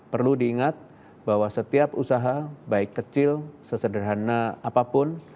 perlu diingat bahwa setiap usaha baik kecil sesederhana apapun